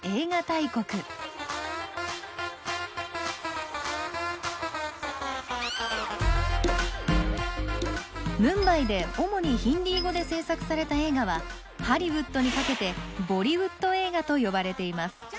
インドはムンバイで主にヒンディー語で制作された映画はハリウッドにかけて「ボリウッド映画」と呼ばれています。